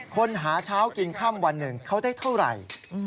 คนหาเช้ากินค่ำวันหนึ่งเขาได้เท่าไหร่